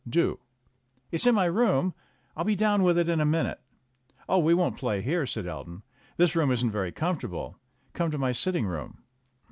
"Do." "It's in my room. I'll be down with it in a minute." "Oh, we won't play here," said Elton. "This room isn't very comfortable. Come to my sitting room."